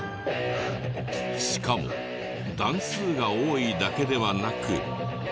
しかも段数が多いだけではなく。